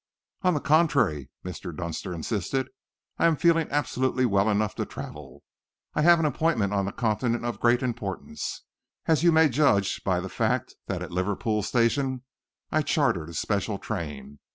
"On the contrary," Mr. Dunster insisted, "I am feeling absolutely well enough to travel. I have an appointment on the Continent of great importance, as you may judge by the fact that at Liverpool Street I chartered a special train.